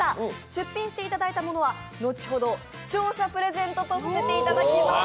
出品していただいたものは後ほど視聴者プレゼントとさせていただきます。